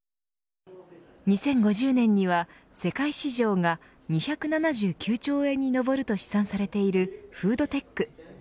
２０５０年には世界市場が２７９兆円に上ると試算されているフードテック。